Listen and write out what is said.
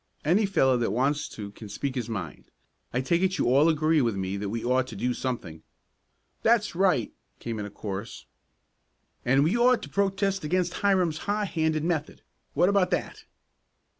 Any fellow that wants to can speak his mind. I take it you all agree with me that we ought to do something." "That's right!" came in a chorus. "And we ought to protest against Hiram's high handed method. What about that?"